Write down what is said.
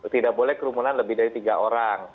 tidak boleh kerumunan lebih dari tiga orang